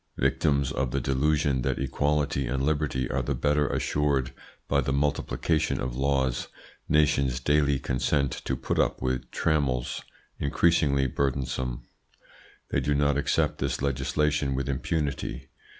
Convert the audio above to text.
Victims of the delusion that equality and liberty are the better assured by the multiplication of laws, nations daily consent to put up with trammels increasingly burdensome. They do not accept this legislation with impunity.